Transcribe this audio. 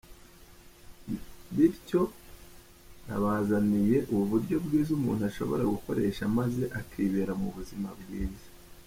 Bityo nabazaniye ubu buryo bwiza umuntu ashobora gukoresha maze akibera mu buzima bwiza.